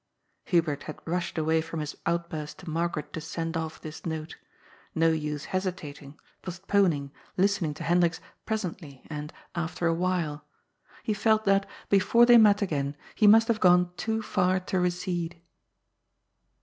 Hubert had rushed away from his outburst to Margaret to send off this note. No use hesitating, postponing, listen ing to Hendrik's " Presently " and " After a while." He felt that, before they met again, he must have gone too far to recede.